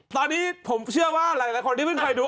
ตอนนี้ผมเชื่อว่าหลายคนที่เพิ่งเคยดู